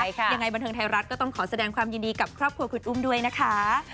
ยังไงบันเทิงไทยรัฐก็ต้องขอแสดงความยินดีกับครอบครัวคุณอุ้มด้วยนะคะ